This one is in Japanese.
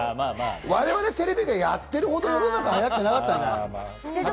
我々、テレビがやってるほど、世の中では流行ってなかったんじゃない？